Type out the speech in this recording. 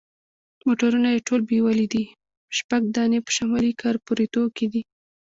موټرونه یې ټول بیولي دي، شپږ دانې په شمالي کارپوریتو کې دي.